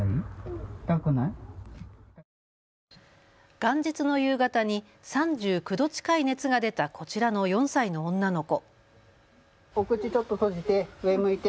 元日の夕方に３９度近い熱が出たこちらの４歳の女の子。